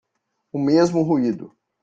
O mesmo ruído